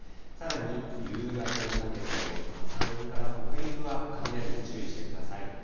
さらに、夕方にかけても山陰から北陸は雷に注意してください。